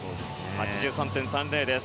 ８３．３０です。